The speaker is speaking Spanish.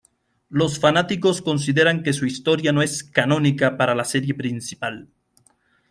Los fanáticos consideran que su historia no es canónica para la serie principal.